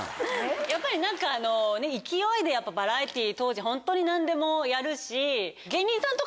やっぱり勢いでバラエティー当時ホントに何でもやるし。